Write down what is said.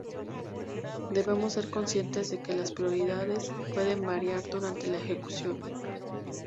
Debemos ser conscientes de que las prioridades pueden variar durante la ejecución.